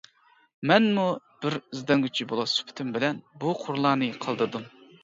مەنمۇ بىر ئىزدەنگۈچى بولۇش سۈپىتىم بىلەن بۇ قۇرلارنى قالدۇردۇم.